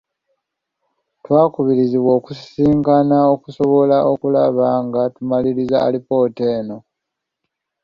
Twakaluubirirwa okusisinkana okusobola okulaba nga tumaliriza alipoota eno.